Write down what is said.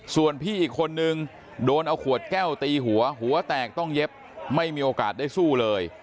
ส่วนพี่อีกคนนึงโดนเอาขวดแก้วตีหัวหัวแตกต้องเย็บไม่มีโอกาสได้สู้เลย